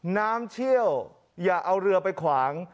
เชี่ยวอย่าเอาเรือไปขวาง